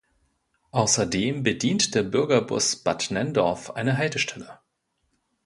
Außerdem bedient der Bürgerbus Bad Nenndorf eine Haltestelle.